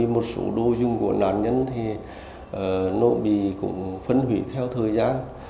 một số đối dung của nạn nhân thì nội bị cũng phân hủy theo thời gian